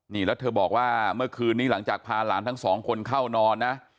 นี่แล้วเธอบอกว่าเมื่อคืนนี้หลังจากพาหลานทั้งสองคนเข้านอนนะ